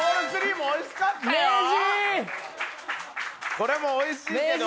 これもおいしいけど。